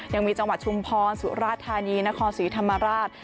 ยังมีจังหวัดชุมพรสุราธานีนครศรีธรรมราช